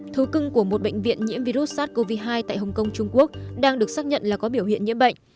thú cưng của một bệnh viện nhiễm virus sars cov hai tại hồng kông trung quốc đang được xác nhận là có biểu hiện nhiễm bệnh